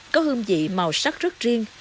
có hương vị màu sắc rất riêng